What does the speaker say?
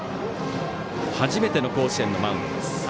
初めての甲子園のマウンドです。